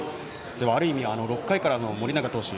ある意味、６回からの盛永投手